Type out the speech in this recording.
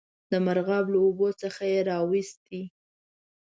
د مرغاب له اوبو څخه یې را وایستی.